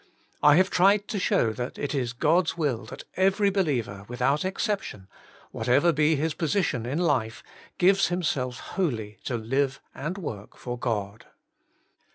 I have tried to show that it is God's will that every believer with out exception, whatever be his position in life, gives himself wholly to live and work for God.